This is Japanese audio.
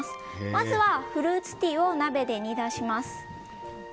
まずはフルーツティーを鍋で煮出します。